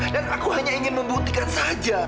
aku hanya ingin membuktikan saja